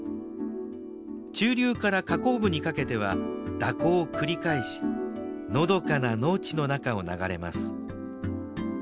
中流から河口部にかけては蛇行を繰り返しのどかな農地の中を流れます。